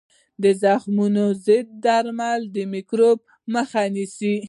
د زخمونو ضد درمل د میکروبونو مخه نیسي.